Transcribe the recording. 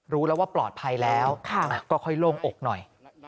รู้แล้วว่าปลอดภัยแล้วก็ค่อยโล่งอกหน่อย